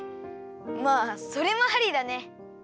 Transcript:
まあそれもありだね。